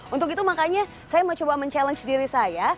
untuk itu makanya saya mau coba mencabar diri saya